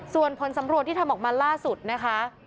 ส่วนผลสำรวจที่ทำออกมาล่าสุดนะคะ